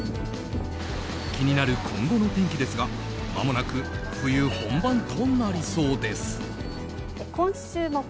気になる今後の天気ですがまもなく冬本番となりそうです。